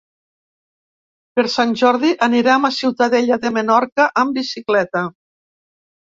Per Sant Jordi anirem a Ciutadella de Menorca amb bicicleta.